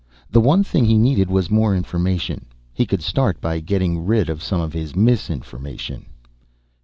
The one thing he needed was more information. He could start by getting rid of some of his misinformation.